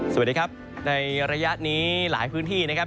สวัสดีครับในระยะนี้หลายพื้นที่นะครับ